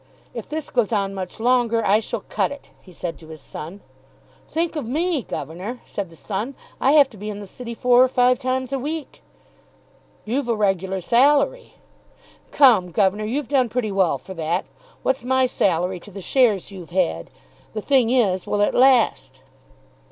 "If this goes on much longer I shall cut it," he said to his son. "Think of me, governor," said the son. "I have to be in the city four or five times a week." "You've a regular salary." "Come, governor; you've done pretty well for that. What's my salary to the shares you've had? The thing is; will it last?"